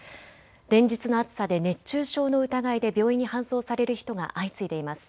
連日の暑さで熱中症の疑いで病院に搬送される人が相次いでいます。